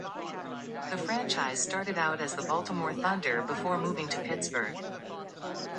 The franchise started out as the Baltimore Thunder before moving to Pittsburgh.